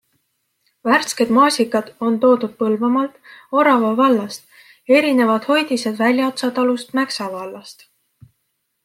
Värsked maasikad on toodud Põlvamaalt, Orava vallast, erinevad hoidised Väljaotsa talust Mäksa vallast.